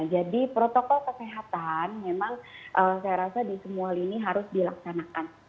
jadi protokol kesehatan memang saya rasa di semua lini harus dilaksanakan